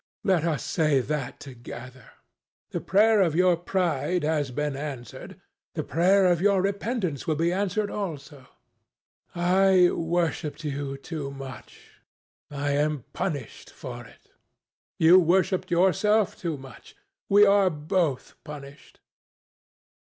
Let us say that together. The prayer of your pride has been answered. The prayer of your repentance will be answered also. I worshipped you too much. I am punished for it. You worshipped yourself too much. We are both punished."